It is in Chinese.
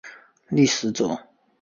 历史轴。